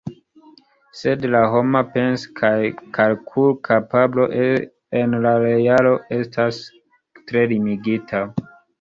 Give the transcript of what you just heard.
Sed la homa pens- kaj kalkulkapablo en la realo estas tre limigita.